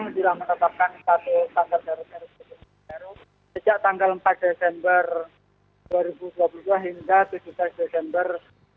lumajang sudah menetapkan satu tanggap darurat dari tujuh belas desember sejak tanggal empat desember dua ribu dua puluh dua hingga tujuh belas desember dua ribu dua puluh dua